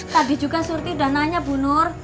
tadi juga surti dan nanya bu nur